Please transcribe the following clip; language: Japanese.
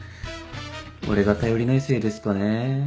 俺が頼りないせいですかね。